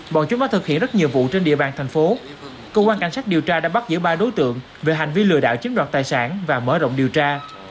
bọn chúng đã thực hiện rất nhiều vụ trên địa bàn thành phố công an cảnh sát điều tra đã bắt giữa ba đối tượng về hành vi lừa đạo chiếm đoạt tài sản và mở rộng điều tra